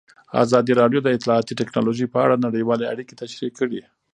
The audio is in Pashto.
ازادي راډیو د اطلاعاتی تکنالوژي په اړه نړیوالې اړیکې تشریح کړي.